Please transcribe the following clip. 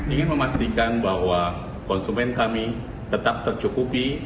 ingin memastikan bahwa konsumen kami tetap tercukupi